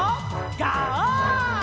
ガオー！